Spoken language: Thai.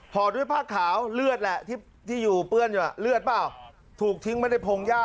อดด้วยผ้าขาวเลือดแหละที่อยู่เปื้อนอยู่เลือดเปล่าถูกทิ้งไว้ในพงหญ้า